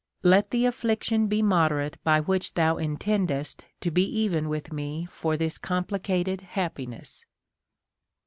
let the affliction be moderate by which thou intendest to be even with me for this compli cated happiness.